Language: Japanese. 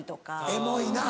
「エモい」な。